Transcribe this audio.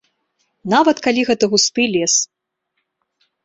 Нават калі гэта густы лес.